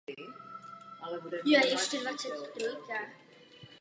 Nepatrné odchylky od cílové čáry mohou vést k nesprávným výsledkům.